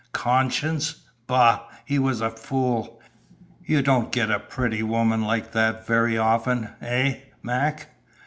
Conscience? Bah! He was a fool. You don't get a pretty woman like that very often, eh, Mac?"